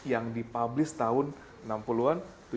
yang dipublis tahun enam puluh an